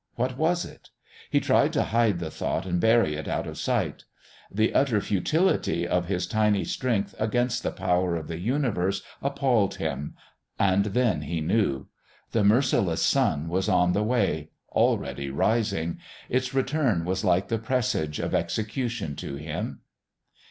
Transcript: What was it? He tried to hide the thought and bury it out of sight. The utter futility of his tiny strength against the power of the universe appalled him. And then he knew. The merciless sun was on the way, already rising. Its return was like the presage of execution to him....